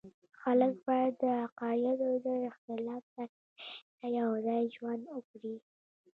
خلک باید د عقایدو د اختلاف سربېره یو ځای ژوند وکړي.